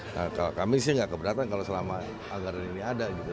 nah kalau kami sih nggak keberatan kalau selama anggaran ini ada gitu